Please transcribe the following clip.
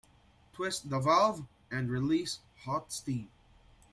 Twist the valve and release hot steam.